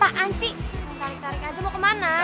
tarik tarik aja mau kemana